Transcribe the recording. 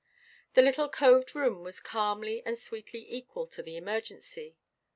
The little coved room was calmly and sweetly equal to the emergency.